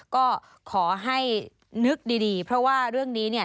ก็ขอให้นึกดีเพราะว่าเรื่องนี้เนี่ย